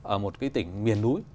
ở một cái tỉnh miền núi